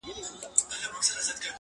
زما د زنده گۍ له هر يو درده سره مله وه.